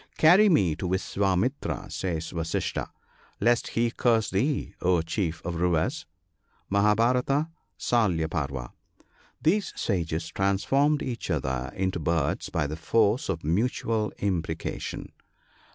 '* Carry me to Viswamitra," says Vasistha, " lest he curse thee, O chief of rivers !" [Mahabharata — Salya Parva). These sages transformed each other into birds, by the force of mutual imprecation.